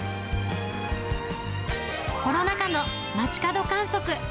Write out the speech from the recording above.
コロナ禍の街角観測。